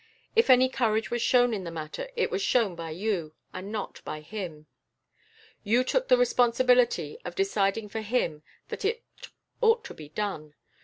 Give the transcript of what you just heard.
If any courage was shown in the matter, it was shown by you, and not by him. You took the responsibility of deciding for him that it ought to be done.